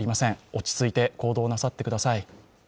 落ち着いて行動なさってください。